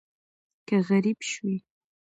که غریب شوې